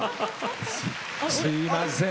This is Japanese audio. すいません。